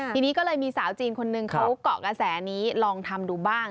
ทีนี้ก็เลยมีสาวจีนคนหนึ่งเขาเกาะกระแสนี้ลองทำดูบ้าง